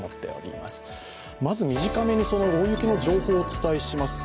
まず短めに大雪の情報をお伝えします。